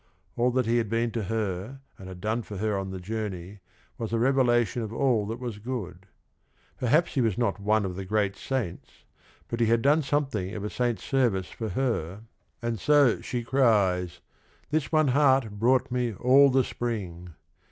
All that he had been to her and had done for her on the journey was a revelation of all that was good. Perhaps he was not one of the great saints, but he had done something of a saint's service for her and 116 THE RING AND THE BOOK so she cries, "This one heart brought me all the Spring."